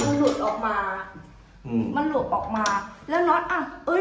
มันหลุดออกมาอืมมันหลุดออกมาแล้วน็อตอ่ะเอ้ย